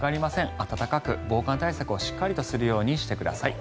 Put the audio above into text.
暖かく防寒対策をしっかりするようにしてください。